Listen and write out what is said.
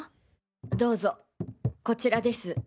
どうぞこちらです。